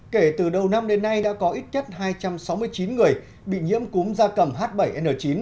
kể từ đầu năm đến nay đã có ít nhất hai trăm sáu mươi chín người bị nhiễm cúm da cầm h bảy n chín